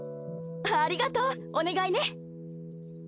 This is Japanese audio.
ありがとうお願いね。